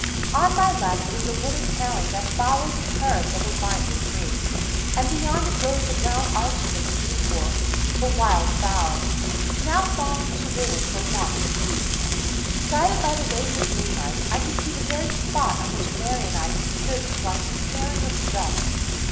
On my left was the wooden paling that followed the curves of the winding creek, and beyond it rose the brown arches of the decoy for wild fowl, now falling to ruin for want of use. Guided by the radiant moonlight, I could see the very spot on which Mary and I had stood to watch the snaring of the ducks.